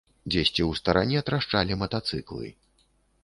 Дзесьці ў старане трашчалі матацыклы.